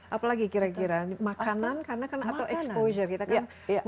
apalagi kira kira makanan karena kan atau exposure kita kan